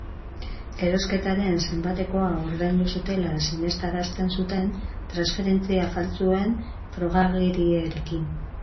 Erosketaren zenbatekoa ordaindu zutela sinestarazten zuten, transferentzia faltsuen frogagiriekin.